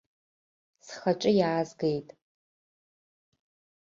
Схаҿы иаазгеит.